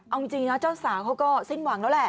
เอาจริงนะเจ้าสาวเขาก็สิ้นหวังแล้วแหละ